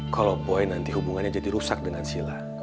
kalau poin nanti hubungannya jadi rusak dengan sila